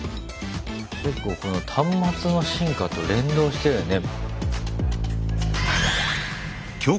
結構この端末の進化と連動してるよね。